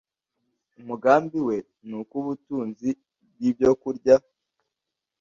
Umugambi we ni uko ubutunzi bw’ibyokurya